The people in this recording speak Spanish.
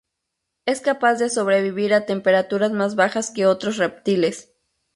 Es capaz de sobrevivir a temperaturas más bajas que otros reptiles.